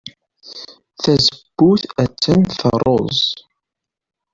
Tazewwut attan terreẓ.